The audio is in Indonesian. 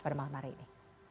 pada malam hari ini